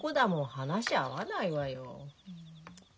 話合わないわよ。